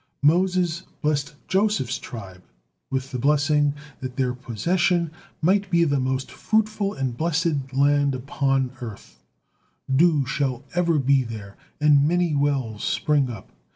Moses blessed Joseph's tribe with the blessing that their possession might be the most fruitful and blessed land on earth; dew shall ever be there, and many wells spring up.